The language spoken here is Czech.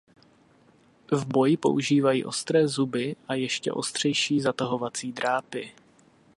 V boji používají ostré zuby a ještě ostřejší zatahovací drápy.